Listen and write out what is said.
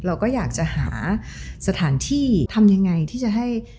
เราก็อยากจะหาสถานที่ทำยังไงที่จะให้